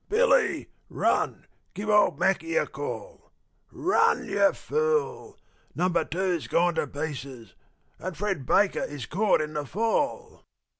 Billy, run, give old Mackie a call Run, you fool! Number Two's gone to pieces, and Fred Baker is caught in the fall!